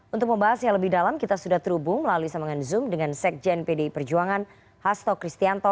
untuk membahas yang lebih dalam kita sudah terhubung melalui sambungan zoom dengan sekjen pdi perjuangan hasto kristianto